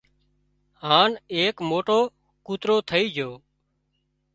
هانَ ايڪ موٽو ڪُوترو ٿئي جھو